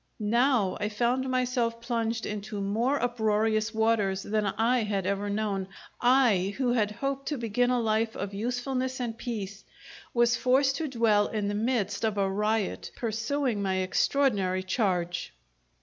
Now I found myself plunged into more uproarious waters than I had ever known I, who had hoped to begin a life of usefulness and peace, was forced to dwell in the midst of a riot, pursuing my extraordinary charge.